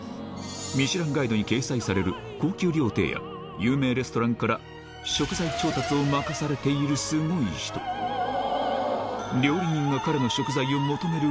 ミシュランガイドに掲載される高級料亭や、有名レストランから、食材調達を任されているすごい人。